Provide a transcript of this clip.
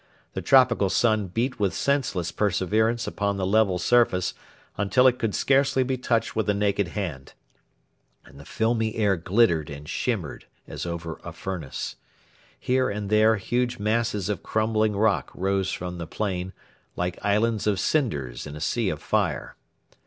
The tropical sun beat with senseless perseverance upon the level surface until it could scarcely be touched with a naked hand, and the filmy air glittered and shimmered as over a furnace. Here and there huge masses of crumbling rock rose from the plain, like islands of cinders in a sea of fire.